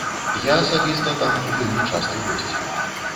Я асабіста там вельмі часты госць.